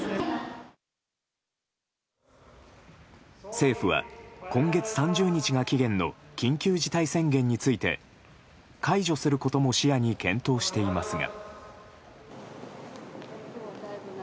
政府は、今月３０日が期限の緊急事態宣言について解除することも視野に検討していますが。